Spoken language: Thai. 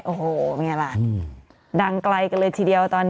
โอ้โหไงล่ะดังไกลกันเลยทีเดียวตอนนี้